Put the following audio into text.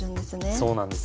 そうなんです。